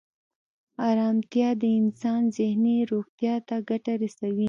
ارامتیا د انسان ذهني روغتیا ته ګټه رسوي.